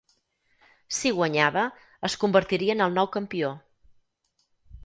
Si guanyava, es convertiria en el nou campió.